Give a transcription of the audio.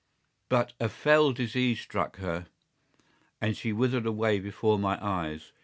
"But a fell disease struck her, and she withered away before my eyes.